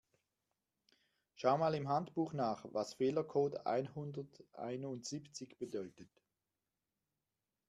Schau mal im Handbuch nach, was Fehlercode einhunderteinundsiebzig bedeutet.